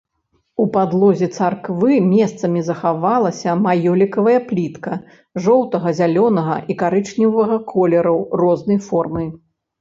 У падлозе царквы месцамі захавалася маёлікавая плітка жоўтага, зялёнага і карычневага колераў рознай формы.